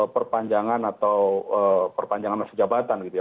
perpanjangan atau perpanjangan masa jabatan gitu ya